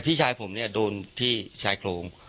พี่ชายผมเนี่ยโดนที่ชายโครง